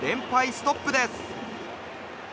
ストップです。